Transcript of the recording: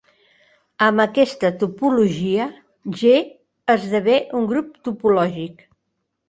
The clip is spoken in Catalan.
Amb aquesta topologia, "G" esdevé un grup topològic.